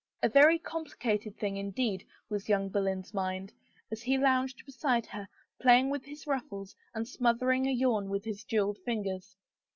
A very complicated thing, indeed, was young Boleyn's mind, as he lounged beside her, playing with his ruffles and smothering a yawn with his jeweled fingers.